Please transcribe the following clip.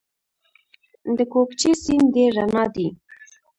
د کوکچې سیند ډیر رڼا دی